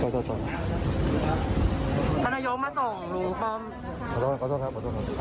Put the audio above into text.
ขอโทษครับ